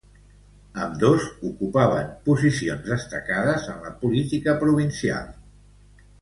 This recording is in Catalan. Ambdós ocupaven posicions destacades en la política provincial.